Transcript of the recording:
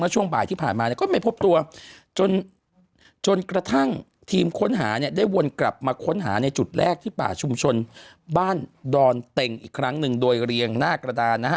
ช่วงบ่ายที่ผ่านมาเนี่ยก็ไม่พบตัวจนจนกระทั่งทีมค้นหาเนี่ยได้วนกลับมาค้นหาในจุดแรกที่ป่าชุมชนบ้านดอนเต็งอีกครั้งหนึ่งโดยเรียงหน้ากระดานนะฮะ